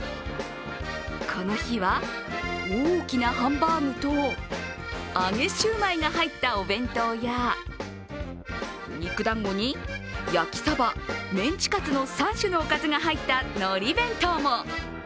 この日は、大きなハンバーグと揚げシューマイが入ったお弁当や肉団子に焼きサバ、メンチカツの３種のおかずが入った、のり弁当も。